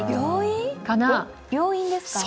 病院ですか？